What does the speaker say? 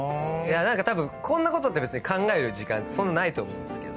たぶんこんなことって別に考える時間ってそんなないと思うんですけど。